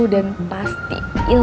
dan pasti ilfil banget sama michelle